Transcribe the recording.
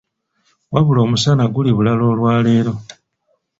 Wabula omusana guli bulala olwaleero!